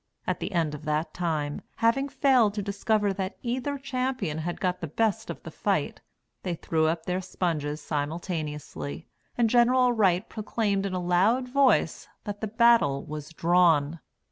At the end of that time, having failed to discover that either champion had got the best of the fight, they threw up their sponges simultaneously, and Gen. Wright proclaimed in a loud voice that the battle was "drawn."